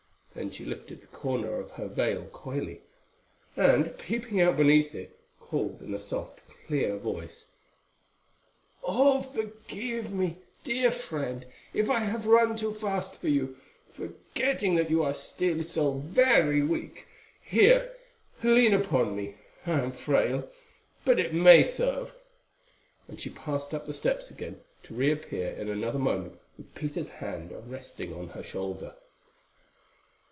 Then she lifted the corner of her veil coyly and, peeping out beneath it, called in a soft, clear voice, "Oh! forgive me, dear friend, if I have run too fast for you, forgetting that you are still so very weak. Here, lean upon me; I am frail, but it may serve." And she passed up the steps again, to reappear in another moment with Peter's hand resting on her shoulder.